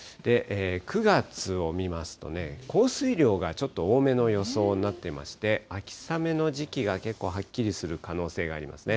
９月を見ますとね、降水量がちょっと多めの予想になってまして、秋雨の時期が結構はっきりする可能性がありますね。